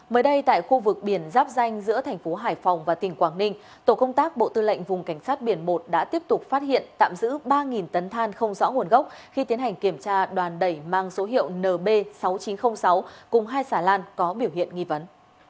mới đây tại khu vực biển giáp danh giữa thành phố hải phòng và tỉnh quảng ninh tổ công tác bộ tư lệnh vùng cảnh sát biển một đã tiếp tục phát hiện tạm giữ ba tấn than không rõ nguồn gốc khi tiến hành kiểm tra đoàn đẩy mang số hiệu nb sáu nghìn chín trăm linh sáu cùng hai sản lan có biểu hiện nghi vấn